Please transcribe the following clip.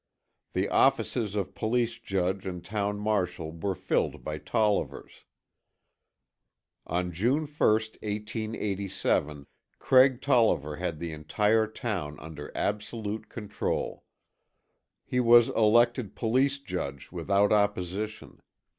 The offices of police judge and town marshal were filled by Tollivers. On June 1st, 1887, Craig Tolliver had the entire town under absolute control. He was elected police judge without opposition.